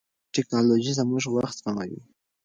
ټیکنالوژي زموږ وخت سپموي.